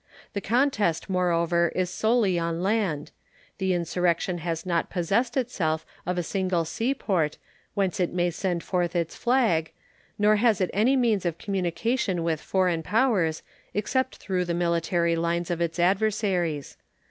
The contest, moreover, is solely on land; the insurrection has not possessed itself of a single seaport whence it may send forth its flag, nor has it any means of communication with foreign powers except through the military lines of its adversaries.